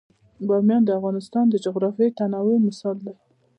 بامیان د افغانستان د جغرافیوي تنوع مثال دی.